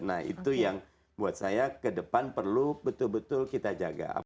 nah itu yang buat saya ke depan perlu betul betul kita jaga